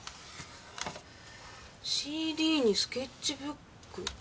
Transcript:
ＣＤにスケッチブック？